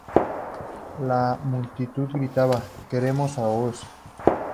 La multitud gritaba "¡Queremos a Ross!".